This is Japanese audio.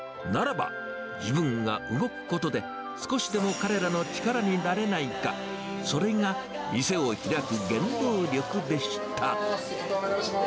ならば、自分が動くことで、少しでも彼らの力になれないか、それが店を開く原動力でした。